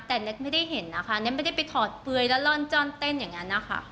แต่แน็กไม่ได้เห็นนะคะแน็กไม่ได้ไปถอดเปลือยแล้วร่อนจ้อนเต้นอย่างนั้นนะคะ